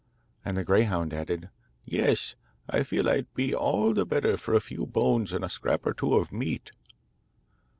And the greyhound added: 'Yes; I feel I'd be all the better for a few bones and a scrap or two of meat.